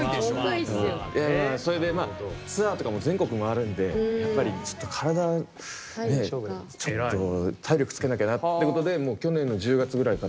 あそれでツアーとかも全国回るんでやっぱりちょっと体ねえちょっと体力つけなきゃなってことでもう去年の１０月ぐらいからずっと通って。